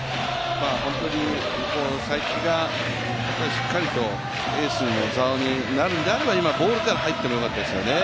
本当に才木がしっかりとエースの座になるのであれば今、ボールから入ってもよかったですよね。